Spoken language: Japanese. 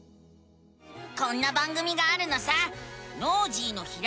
こんな番組があるのさ！